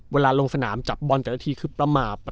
ลงสนามจับบอลแต่ละทีคือประมาท